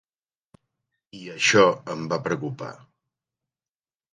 I això em va preocupar.